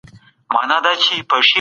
حرکت بدن اراموي.